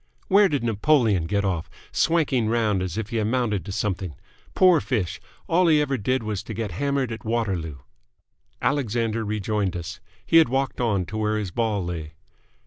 Where did Napoleon get off, swanking round as if he amounted to something? Poor fish! All he ever did was to get hammered at Waterloo!" Alexander rejoined us. He had walked on to where his ball lay.